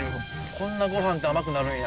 こんなごはんって甘くなるんや。